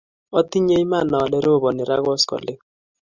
otinye iman ale roboni ra koskoleny